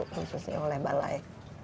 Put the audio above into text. khususnya oleh balai